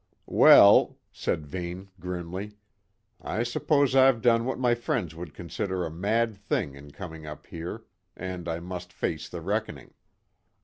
"Well," said Vane grimly, "I suppose I've done what my friends would consider a mad thing in coming up here, and I must face the reckoning."